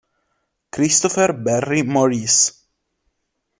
Christopher Barry Morris